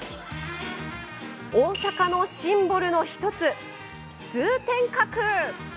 大阪のシンボルの１つ、通天閣。